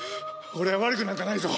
俺は悪くなんかないぞ！